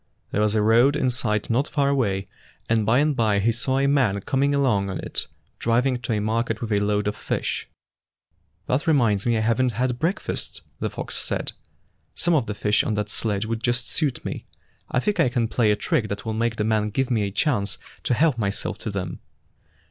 There was a road in sight not far away, and by and by he saw a man coming along on it, driving to market with a load of fish. ''That reminds me I have n't had break fast," the fox said. " Some of the fish on that sledge would just suit me. I think I can play a trick that will make the man give me a chance to help myself to them."